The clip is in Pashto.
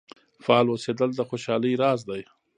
فعال اوسیدل د خوشحالۍ راز دی.